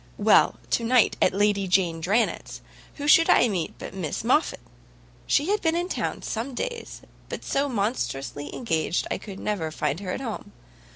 Well, to night at Lady Jane Dranet's, who should I meet but Miss Moffat! She had been in town some days, but so monstrously engaged I could never find her at home.